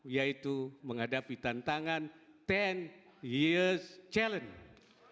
yaitu menghadapi tantangan sepuluh years challenge